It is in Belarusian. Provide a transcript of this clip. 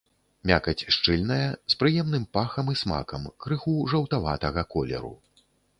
Мякаць шчыльная, з прыемным пахам і смакам, крыху жаўтаватага колеру.